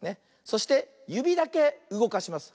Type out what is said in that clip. そしてゆびだけうごかします。